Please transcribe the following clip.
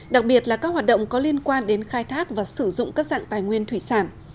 đặc biệt là các hoạt động có liên quan đến khai thác và sử dụng các dạng tài nguyên thủy sản